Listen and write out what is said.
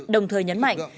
đồng thời nhấn mạnh